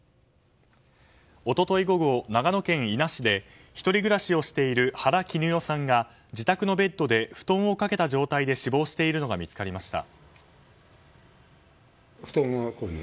一昨日午後、長野県伊那市で１人暮らしをしている原貴努代さんが自宅のベッドで布団をかけた状態で死亡しているのが見つかりました。